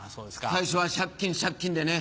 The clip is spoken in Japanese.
最初は借金借金でね。